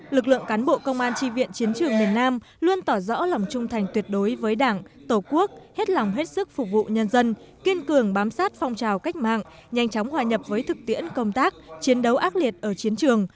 lực lượng cán bộ công an tri viện chiến trường miền nam luôn tỏ rõ lòng trung thành tuyệt đối với đảng tổ quốc hết lòng hết sức phục vụ nhân dân kiên cường bám sát phong trào cách mạng nhanh chóng hòa nhập với thực tiễn công tác chiến đấu ác liệt ở chiến trường